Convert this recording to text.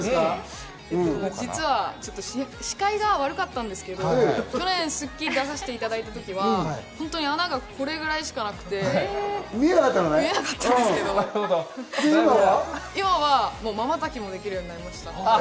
実は、視界が悪かったんですけど、去年『スッキリ』に出させていただいた時は本当に穴がこれぐらいしかなくて、見えなかったんですけど、今はまばたきもできるようになりました。